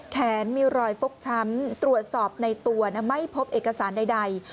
แขนมีรอยฟกช้ำตรวจสอบในตัวไม่พบเอกสารใด